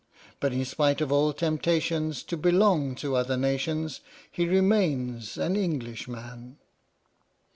But, in spite of all temptations To belong to other nations, He remains an Englishman!